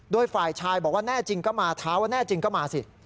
โดยฝ่ายชายบอกว่าแน่จริงก็มาท้าว่าแน่จริงก็มาสิ